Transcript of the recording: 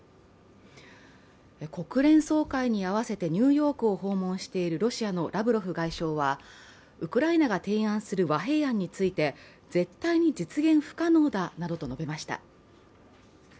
国連総会にあわせてニューヨークを訪問しているロシアのラブロフ外相はウクライナが提案する和平案について、絶対に実現不可能だなどと述べました。